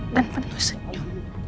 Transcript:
dan penuh senyum